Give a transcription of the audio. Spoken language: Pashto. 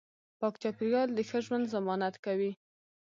پاک چاپیریال د ښه ژوند ضمانت کوي